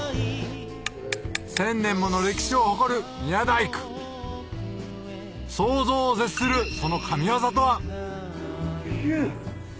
１０００年もの歴史を誇る宮大工想像を絶するその神業とは？